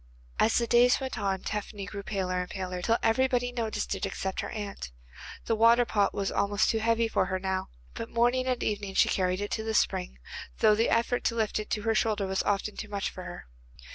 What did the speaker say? As the days went on Tephany grew paler and paler, till everybody noticed it except her aunt. The water pot was almost too heavy for her now, but morning and evening she carried it to the spring, though the effort to lift it to her shoulder was often too much for her.